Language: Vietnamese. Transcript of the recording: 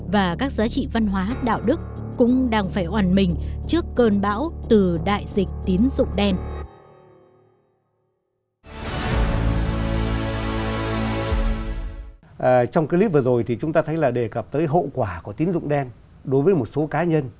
và các giá trị văn hóa đạo đức cũng đang phải oàn mình trước cơn bão từ đại dịch tín dụng đen